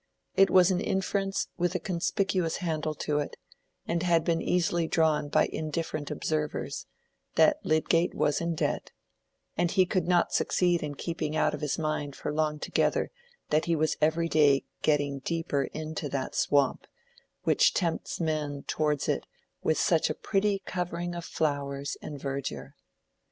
It was an inference with a conspicuous handle to it, and had been easily drawn by indifferent observers, that Lydgate was in debt; and he could not succeed in keeping out of his mind for long together that he was every day getting deeper into that swamp, which tempts men towards it with such a pretty covering of flowers and verdure.